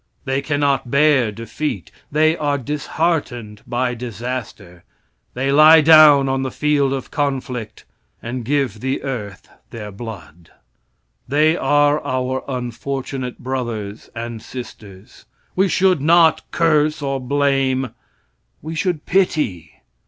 They cannot bear defeat. They are disheartened by disaster. They lie down on the field of conflict and give the earth their blood. They are our unfortunate brothers and sisters. We should not curse or blame we should pity.